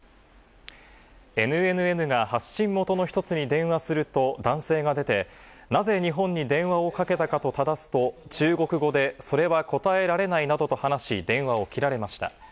ＮＮＮが発信元の一つに電話すると、男性が出て、なぜ日本に電話をかけたかとただすと、中国語でそれは答えられないなどと話し、電話を切られました。